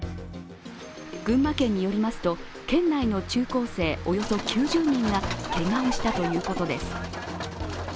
群馬県によりますと、県内の中高生およそ９０人がけがをしたということです。